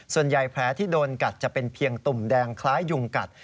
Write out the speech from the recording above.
ส่วนใหญ่แผลถูกโดนกัดจะเป็นเพียงตุ่มแดงคล้ายยุงกัด